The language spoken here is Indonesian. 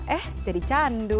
eh jadi candu